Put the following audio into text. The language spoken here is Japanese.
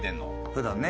普段ね。